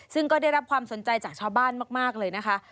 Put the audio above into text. ซึ่งก็ได้รับความสนใจจากชาวบ้านมากเลยนะคะ